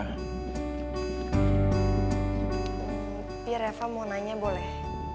tapi reva mau nanya boleh